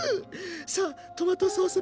さあトマトソース